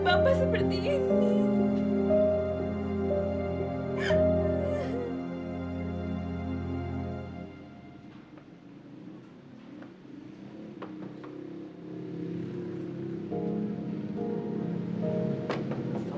pierce punya istri yang bukan